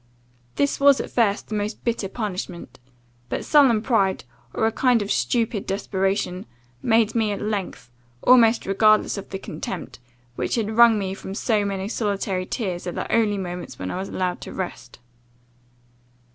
This was, at first, the most bitter punishment; but sullen pride, or a kind of stupid desperation, made me, at length, almost regardless of the contempt, which had wrung from me so many solitary tears at the only moments when I was allowed to rest.